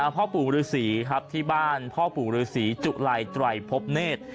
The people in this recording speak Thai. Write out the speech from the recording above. พ่อปู่ฤษีครับที่บ้านพ่อปู่ฤษีจุไลไตรพบเนธ